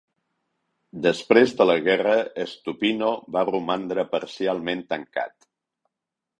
Després de la guerra, Stupino va romandre parcialment tancat.